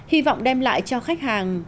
hy vọng đem lại cho khách hàng